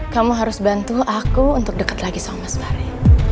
kamu harus bantu aku untuk dekat lagi sama mas bari